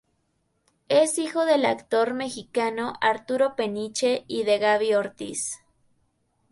Es hijo del actor mexicano Arturo Peniche y de Gaby Ortiz.